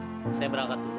ayo charter setelah masih ada